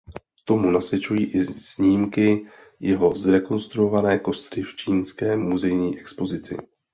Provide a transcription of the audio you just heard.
Tomu nasvědčují i snímky jeho zrekonstruované kostry v čínské muzejní expozici.